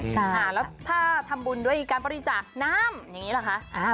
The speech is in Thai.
ใช่แล้วถ้าทำบุญด้วยการบริจาคน้ำอย่างนี้หรอคะ